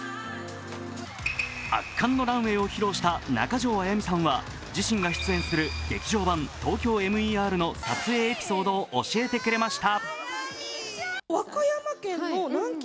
圧巻のランウェイを披露した中条あやみさんは、自身が出演する「劇場版ＴＯＫＹＯＭＥＲ」の撮影エピソードを教えてくれました。